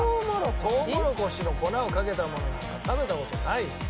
トウモロコシの粉をかけたものなんか食べた事ないよ。